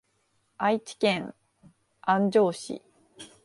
愛知県安城市